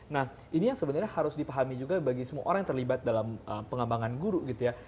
nah ini yang sebenarnya harus dipahami juga bagi semua orang yang terlibat dalam pengembangan guru gitu ya